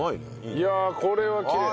いやこれはきれい。